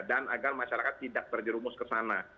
dan agar masyarakat tidak berdirumus ke sana